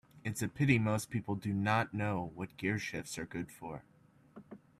It's a pity most people do not know what gearshifts are good for.